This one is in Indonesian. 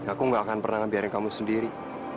aku gak akan pernah ngebiarin kamu sendiri